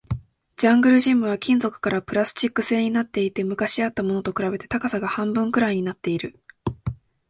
ジャングルジムは金属からプラスチック製になっていて、昔あったものと比べて高さが半分くらいになっている